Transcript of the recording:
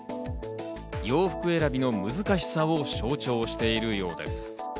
洋服選びの難しさを象徴しているようです。